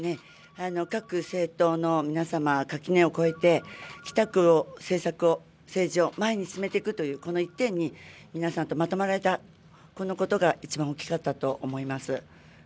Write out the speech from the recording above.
やはり、各政党の皆さん、垣根を越えて、北区を、政策を、政治を前に進めていくというこの一点に皆さんとまとまられた、このことがいちばん大きかったと思います。